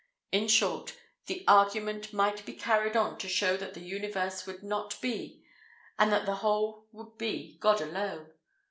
In short, the argument might be carried on to show that the universe would not be, and that the whole would be God alone.